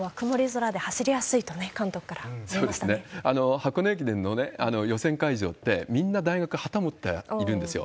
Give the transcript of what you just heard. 箱根駅伝の予選会場って、みんな大学旗持っているんですよ。